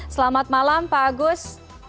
selamat malam pak agus